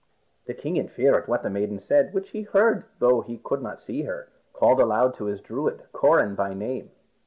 The king in fear at what the maiden said, which he heard though he could not see her, called aloud to his Druid, Coran by name.